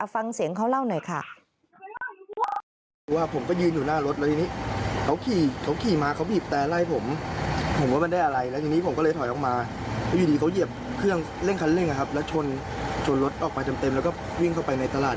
ฟังเสียงเขาเล่าหน่อยค่ะ